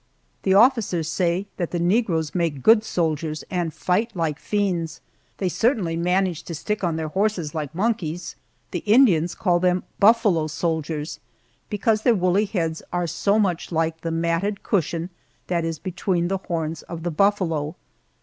The officers say that the negroes make good soldiers and fight like fiends. They certainly manage to stick on their horses like monkeys. The Indians call them "buffalo soldiers," because their woolly heads are so much like the matted cushion that is between the horns of the buffalo.